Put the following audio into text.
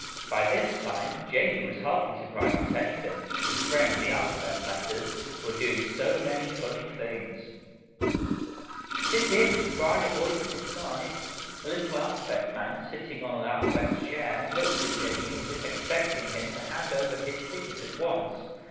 By this time, Jamie was hardly surprised at anything, his friends, the Alphabet Letters, were doing so many funny things. "Tickets!" cried a voice at his side. A little Alphabet Man sitting on an Alphabet Chair looked at Jamie as if expecting him to hand over his ticket at once.